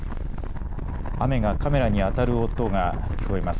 雨がカメラに当たる音が聞こえます。